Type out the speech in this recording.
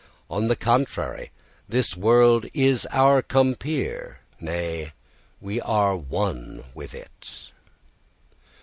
On the contrary, this world is our compeer, nay, we are one with it.